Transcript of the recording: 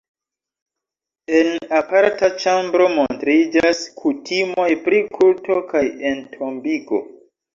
En aparta ĉambro montriĝas kutimoj pri kulto kaj entombigo.